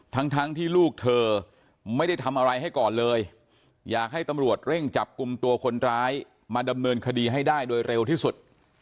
ทั้งทั้งที่ลูกเธอไม่ได้ทำอะไรให้ก่อนเลยอยากให้ตำรวจเร่งจับกลุ่มตัวคนร้ายมาดำเนินคดีให้ได้โดยเร็วที่สุด